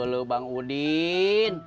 udah bang udin